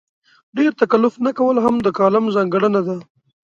ډېر تکلف نه کول هم د کالم ځانګړنه ده.